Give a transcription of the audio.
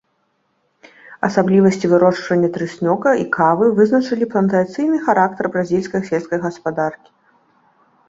Асаблівасці вырошчвання трыснёга і кавы вызначылі плантацыйны характар бразільскай сельскай гаспадаркі.